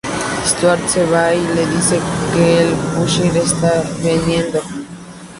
Stuart se va y le dice que el Punisher está viniendo.